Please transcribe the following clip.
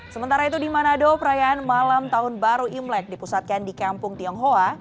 sementara itu di manado perayaan malam tahun baru imlek dipusatkan di kampung tionghoa